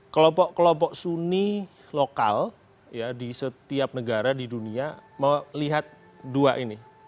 kelopok kelopok sunni lokal di setiap negara di dunia melihat dua ini